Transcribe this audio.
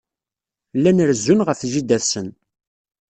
Llan rezzun ɣef jida-tsen.